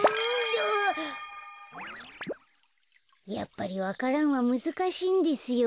やっぱりわか蘭はむずかしいんですよ。